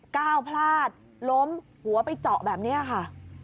ก้าวพลาดล้มหัวไปเจาะแบบนี้ค่ะ